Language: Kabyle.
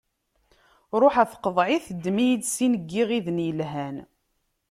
Ṛuḥ ɣer tqeḍɛit, ddem-iyi-d sin n iɣiden yelhan.